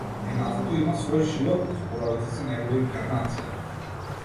Минатото има свој живот, зборовите се негова инкарнација.